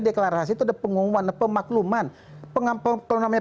deklarasi itu ada pengumuman pemakluman